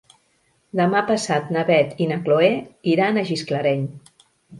Demà passat na Beth i na Chloé iran a Gisclareny.